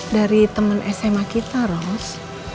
dari teman sma kita ros